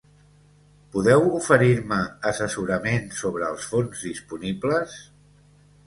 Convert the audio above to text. Podeu oferir-me assessorament sobre els fons disponibles?